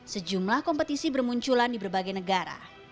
sejumlah kompetisi bermunculan di berbagai negara